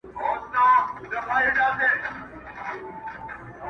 پاچاهي دي مبارک وي د ازغو منځ کي ګلاب ته,